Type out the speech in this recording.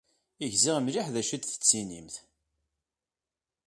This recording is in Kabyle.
Gziɣ mliḥ d acu ay la d-tettinimt.